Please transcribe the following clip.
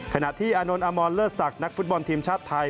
ขณะที่อานนท์อมรเลิศศักดิ์นักฟุตบอลทีมชาติไทย